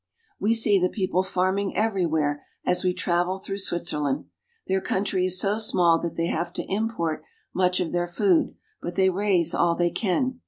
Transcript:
We see the people farming everywhere as we travel through Switzerland. Their country is so small that they have to import much of their food, but they raise all they can.